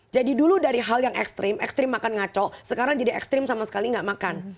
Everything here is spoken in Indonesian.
jadi dulu dari hal yang ekstrim ekstrim makan ngaco sekarang jadi ekstrim sama sekali nggak makan